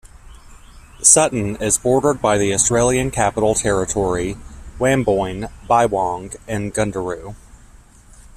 Sutton is bordered by the Australian Capital Territory, Wamboin, Bywong and Gundaroo.